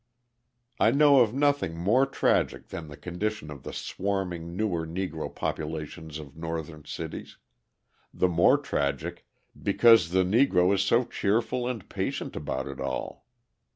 I know of nothing more tragic than the condition of the swarming newer Negro populations of Northern cities the more tragic because the Negro is so cheerful and patient about it all.